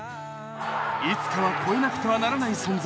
いつかは超えなくてはならない存在。